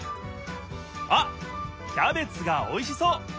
あっキャベツがおいしそう！